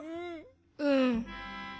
うん。